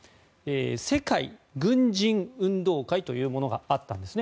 世界軍人運動会というものがあったんですね。